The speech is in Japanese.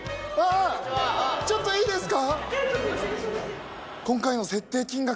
ちょっといいですか？